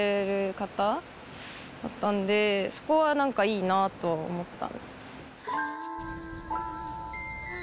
そこはなんかいいなとは思った。